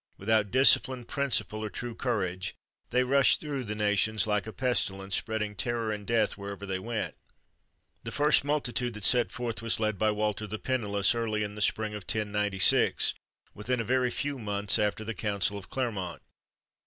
Without discipline, principle, or true courage, they rushed through the nations like a pestilence, spreading terror and death wherever they went. The first multitude that set forth was led by Walter the Pennyless early in the spring of 1096, within a very few months after the Council of Clermont.